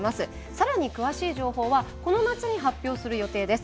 さらに詳しい情報はこの夏に発表する予定です。